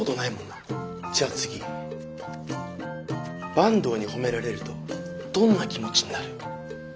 坂東に褒められるとどんな気持ちになる？